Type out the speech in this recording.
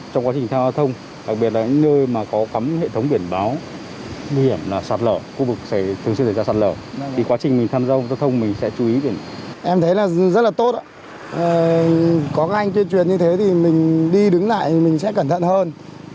có các anh tuyên truyền như thế thì mình đi đứng lại mình sẽ cẩn thận hơn